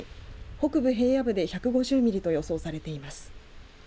北部平野部で１５０ミリと予想されています。